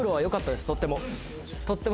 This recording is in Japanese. とっても。